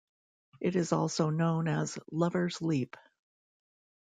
It is also known as "Lover's Leap".